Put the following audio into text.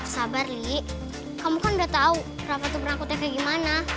sabar li kamu kan udah tau rafa tuh penakutnya kayak gimana